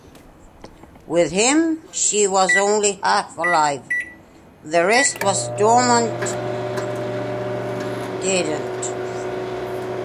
With him, she was only half-alive; the rest was dormant, deadened.